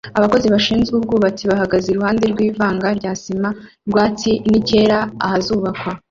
Abakozi bashinzwe ubwubatsi bahagaze iruhande rwivanga rya sima rwatsi nicyera ahazubakwa